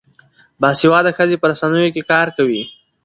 باسواده ښځې په رسنیو کې کار کوي.